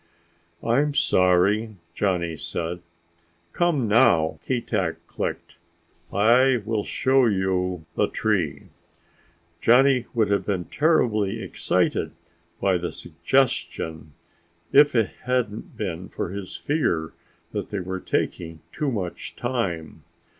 "I'm sorry," Johnny said. "Come now," Keetack clicked. "I will show you the tree." Johnny would have been terribly excited by the suggestion if it hadn't been for his fear that they were taking too much time.